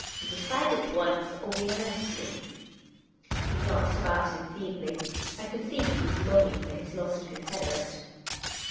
" Decide at once, or we arrest you !" He glanced about him feebly. I could see he was longing for his lost confederate.